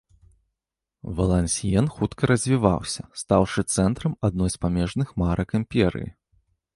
Валансьен хутка развіваўся, стаўшы цэнтрам адной з памежных марак імперыі.